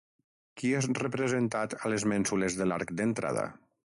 Qui és representat a les mènsules de l'arc d'entrada?